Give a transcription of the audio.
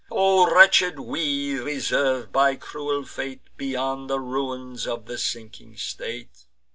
O wretched we, reserv'd by cruel fate, Beyond the ruins of the sinking state!